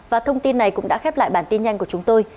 và thông tin này cũng đã khép lại bản tin nhanh của chúng tôi